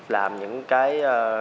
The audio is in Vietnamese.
làm những cái